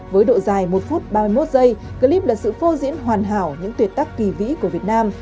với độ dài một phút ba mươi một giây clip là sự phô diễn hoàn hảo những tuyệt tác kỳ vĩ của việt nam